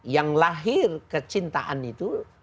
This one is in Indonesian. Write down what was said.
yang lahir kecintaan itu